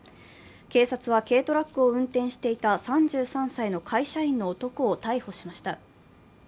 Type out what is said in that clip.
警察は、軽トラックを運転していた３３歳の会社員の男を逮捕しました。